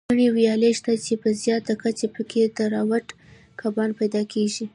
ګڼې ویالې شته، چې په زیاته کچه پکې تراوټ کبان پیدا کېږي.